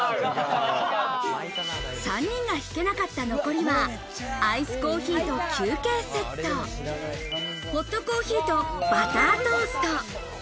３人がひけなかった残りは、アイスコーヒーと休憩セット、ホットコーヒーとバタートースト。